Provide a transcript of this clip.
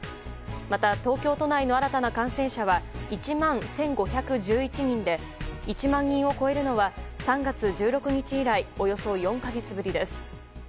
また東京都内の新たな感染者は１万１５１１人で１万人を超えるのは３月１６日以来およそ４か月ぶりです。